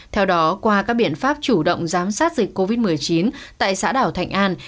theo đó qua các biện pháp chủ động giám sát dịch covid một mươi chín tại xã đảo thạnh an